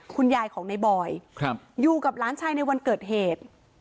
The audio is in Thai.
คุณยายของในบอยอยู่กับหลานชายในวันเกิดเหตุ